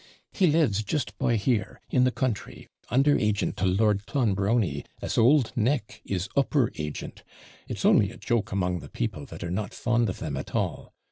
He lives just by here, in the country, under agent to Lord Clonbrony, as old Nick is upper agent it's only a joke among the people, that are not fond of them at all.